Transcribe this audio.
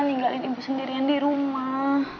ninggalin ibu sendirian di rumah